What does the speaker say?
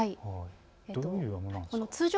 どういうものですか。